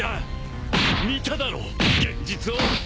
見ただろ現実を。